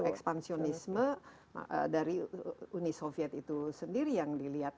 ekspansionisme dari uni soviet itu sendiri yang dilihat